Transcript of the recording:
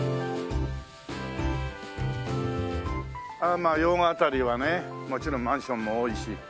まあ用賀辺りはねもちろんマンションも多いし。